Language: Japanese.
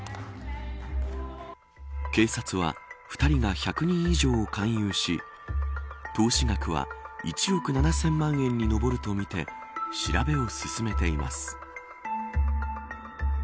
警察は２人が１００人以上を勧誘し投資額は１億７０００万円に上るとみて調べを進めています。